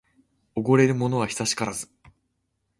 おごれるものは久しからず